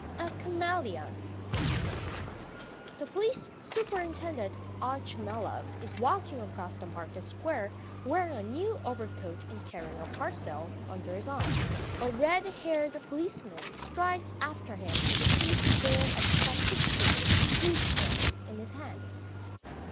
A CHAMELEON THE police superintendent Otchumyelov is walking across the market square wearing a new overcoat and carrying a parcel under his arm. A red haired policeman strides after him with a sieve full of confiscated gooseberries in his hands.